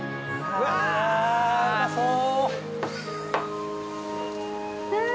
うわあうまそう！